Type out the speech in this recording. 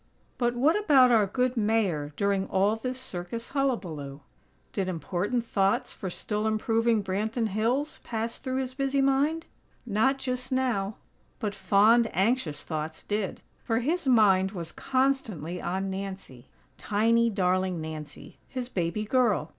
But what about our good Mayor during all this circus hullabaloo? Did important thoughts for still improving Branton Hills pass through his busy mind? Not just now; but fond, anxious thoughts did; for his mind was constantly on Nancy; tiny, darling Nancy, his baby girl.